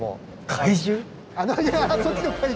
怪獣？